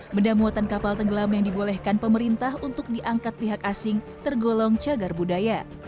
benda muatan kapal tenggelam yang dibolehkan pemerintah untuk diangkat pihak asing tergolong cagar budaya